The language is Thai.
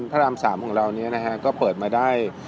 เพราะทำสามของเรานี้นะครับก็เปิดมาได้